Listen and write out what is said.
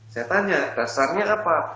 saya tanya dasarnya apa